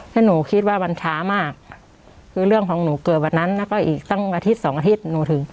แล้วหนูคิดว่ามันช้ามากคือเรื่องของหนูเกิดวันนั้นแล้วก็อีกตั้งอาทิตย์สองอาทิตย์หนูถึง